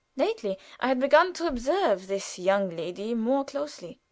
Lately I had begun to observe this young lady more closely.